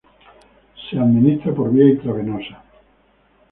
Se administra por vía intravenosa.